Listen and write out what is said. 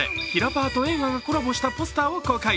ということで、ひらパーと映画がコラボしたポスターを公開。